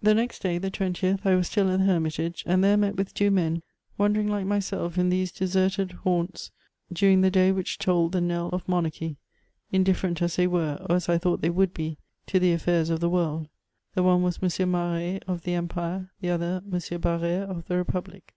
The next day, the 20th, I was still at the Hermitage, and there met with two men, wandering like myself in these deserted haunts during the day which tolled the knell of monarchy, indifferent as they were, or as I thought they would he, to the affairs of the world : the one was M. Maret, of the Empire, the other M. Barr^re, of the Republic.